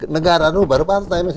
negara dulu baru partai